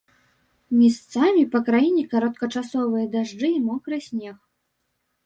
Месцамі па краіне кароткачасовыя дажджы і мокры снег.